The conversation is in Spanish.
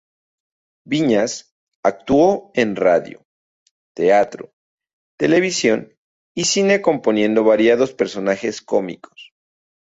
Viñas actuó en radio, teatro, televisión y cine componiendo variados personajes cómicos.